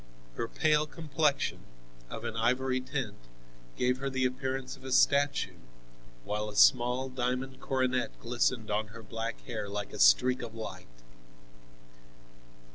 Her pale complexion, of an ivory tint, gave her the appearance of a statue, while a small diamond coronet glistened on her black hair like a streak of light.